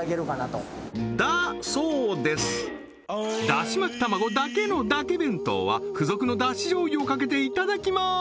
だし巻き玉子だけのだけ弁当は付属のだしじょうゆをかけていただきます